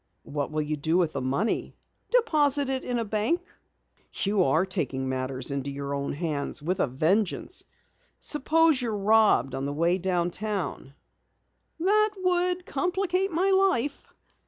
"What will you do with the money?" "Deposit it in a bank." "You are taking matters into your hands with a vengeance! Suppose you're robbed on the way downtown?" "That would complicate my life.